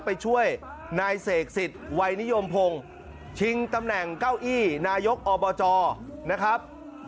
ไปช่วยนายเสกสิทธิ์วัยนิยมพงศ์ชิงตำแหน่งเก้าอี้นายกอบจนะครับ